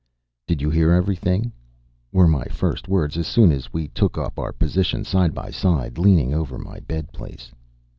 "Did you hear everything?" were my first words as soon as we took up our position side by side, leaning over my bed place.